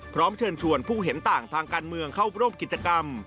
พร้อมเชิญชวนผู้เห็นต่างทางการเมืองเข้าร่วมกิจกรรม